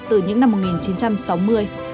từ những năm một nghìn chín trăm sáu mươi